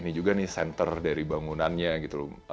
ini juga nih center dari bangunannya gitu loh